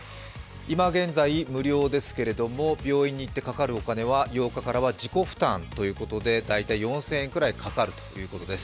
いま現在、無料ですけれども病院に行ってかかるお金は８日からは自己負担ということで大体４０００円ぐらいかかるそうです。